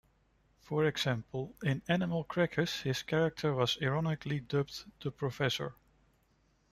For example, in "Animal Crackers" his character was ironically dubbed "The Professor".